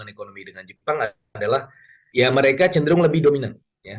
ekonomi dengan jepang adalah ya mereka cenderung lebih dominan